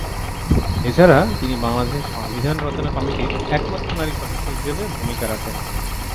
এছাড়া তিনি বাংলাদেশের সংবিধান রচনা কমিটির একমাত্র নারী সদস্য হিসেবে ভূমিকা রাখেন।